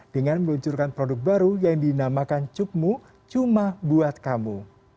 dengan meluncurkan produk baru yang dinamakan cukmu cuma buat kamu